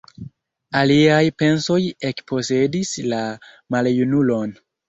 Aliaj pensoj ekposedis la maljunulon.